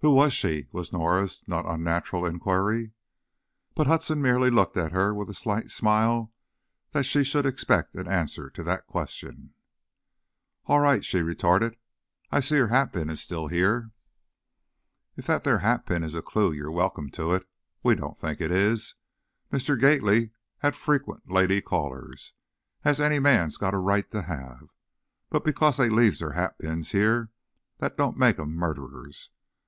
"Who was she?" was Norah's not unnatural inquiry. But Hudson merely looked at her, with a slight smile that she should expect an answer to that question. "Oh, all right," she retorted; "I see her hatpin is still here." "If that there hatpin is a clew, you're welcome to it. We don't think it is. Mr. Gately had frequent lady callers, as any man's got a right to have, but because they leaves their hatpins here, that don't make 'em murderers.